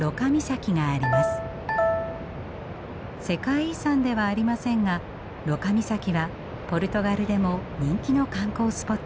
世界遺産ではありませんがロカ岬はポルトガルでも人気の観光スポットです。